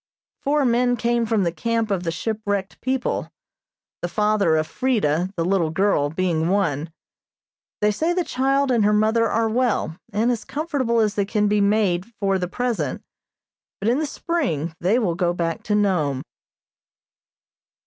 Four men came from the camp of the shipwrecked people, the father of Freda, the little girl, being one. They say the child and her mother are well, and as comfortable as they can be made for the present, but in the spring they will go back to Nome.